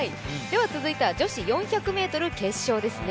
続いては女子４００ｍ決勝ですね。